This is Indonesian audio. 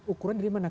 ukuran dari mana